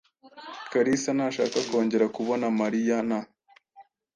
Kalisa ntashaka kongera kubona Mariyana.